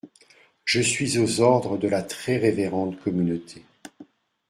Je suis aux ordres de la très révérende communauté.